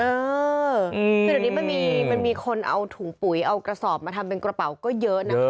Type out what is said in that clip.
เออคือเดี๋ยวนี้มันมีคนเอาถุงปุ๋ยเอากระสอบมาทำเป็นกระเป๋าก็เยอะนะ